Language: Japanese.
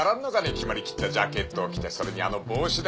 決まりきったジャケットを着てそれにあの帽子だ